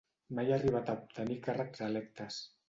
Mai ha arribat a obtenir càrrecs electes.